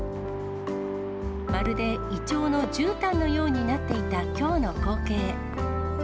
まるでイチョウのじゅうたんのようになっていたきょうの光景。